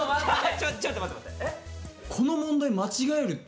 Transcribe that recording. ちょっと待って待って。